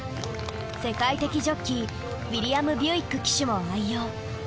世界的ジョッキーウィリアム・ビュイック騎手も愛用。